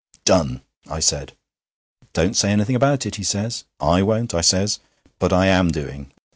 "Done," I said. "Don't say anything about it," he says. "I won't," I says but I am doing.